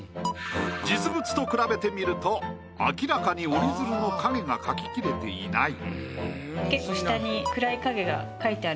実物と比べてみると明らかに折り鶴の影が描ききれていない。